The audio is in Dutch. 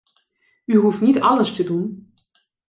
U hoeft niet alles te doen.